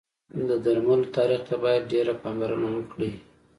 د درملو تاریخ ته باید ډېر پاملرنه وکړی